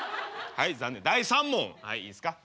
はいいいっすか。